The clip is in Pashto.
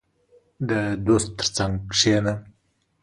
• د دوست تر څنګ کښېنه.